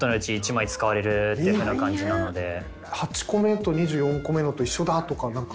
「８個目と２４個目のと一緒だ！」とかなんか。